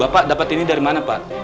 bapak dapat ini dari mana pak